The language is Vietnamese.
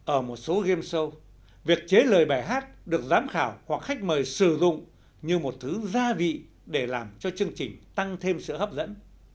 ở một số game show việc chế lời bài hát được giám khảo hoặc khách mời sử dụng như một thứ gia vị để làm cho chương trình tăng thêm sự hấp dẫn